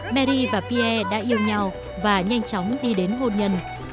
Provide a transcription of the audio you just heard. pierre đã yêu nhau và nhanh chóng đi đến hôn nhân